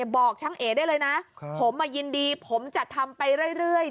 บอกช่างเอ๋ได้เลยนะผมมายินดีผมจะทำไปเรื่อย